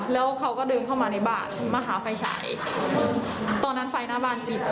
แล้วเขาก็เดินเข้ามาในบ้านมาหาไฟฉายตอนนั้นไฟหน้าบ้านปิด